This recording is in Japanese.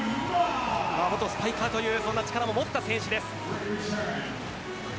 元スパイカーという力を持った選手です。